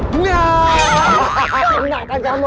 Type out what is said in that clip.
hahaha enak kan kamu